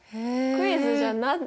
クイズじゃない。